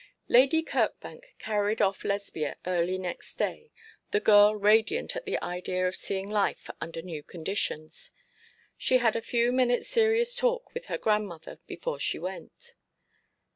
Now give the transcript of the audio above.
Lady Kirkbank carried off Lesbia early next day, the girl radiant at the idea of seeing life under new conditions. She had a few minutes' serious talk with her grandmother before she went.